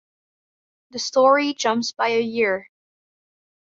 The story jumps by a year.